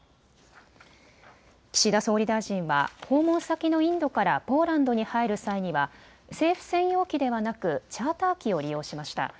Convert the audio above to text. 岸田総理大臣は訪問先のインドからポーランドに入る際には政府専用機ではなくチャーター機を利用しました。